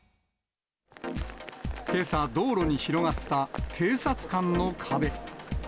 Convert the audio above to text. けさ、道路に広がった警察官の壁。